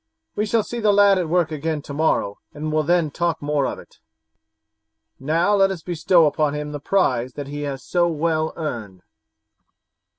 We shall see the lad at work again tomorrow and will then talk more of it. Now let us bestow upon him the prize that he has so well earned."